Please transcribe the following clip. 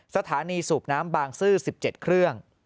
สถานีสูบน้ำบางซื่อ๑๗เครื่อง